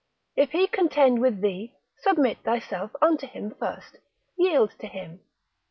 If he contend with thee, submit thyself unto him first, yield to him.